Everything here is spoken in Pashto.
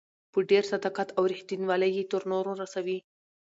په ډېر صداقت او ريښتينوالۍ يې تر نورو رسوي.